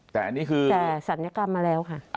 แต่อันนี้คือแต่ศัลยกรรมมาแล้วค่ะ